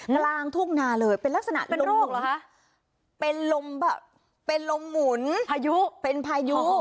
กลางทุ่งนาเลยเป็นลักษณะเป็นโรคเหรอคะเป็นลมเป็นลมหมุนพายุเป็นพายุ